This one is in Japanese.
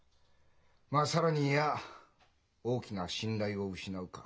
まあ更に言や大きな信頼を失うか。